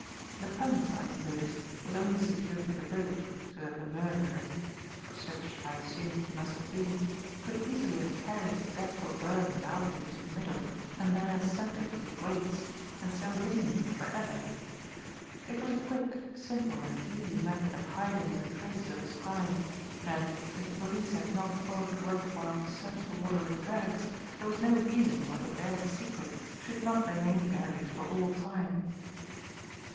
The punt, I had noticed, was only secured with a rope, so that the murderer for such I assumed he must have been could easily have carried his dreadful burden out into the middle, and there sunk it with weights, and so hidden it for ever. It was a quick, simple and easy method of hiding the traces of his crime, and, if the police had not thought it worth while to search the water with drags, there was no reason why the buried secret should not remain buried for all time.